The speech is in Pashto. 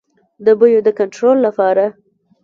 د بیو د کنټرول لپاره.